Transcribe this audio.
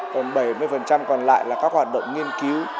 còn bảy mươi còn lại là các hoạt động nghiên cứu